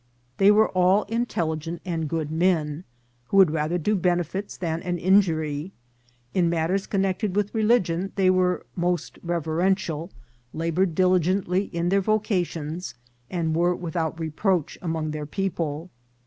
They were all intelligent and good men, who would rather do benefits than an injury ; in mat ters connected with religion they were most reverential, laboured diligently in their vocations, and were without reproach among their people.